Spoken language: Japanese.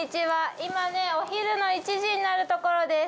今ね、お昼の１時になるところです。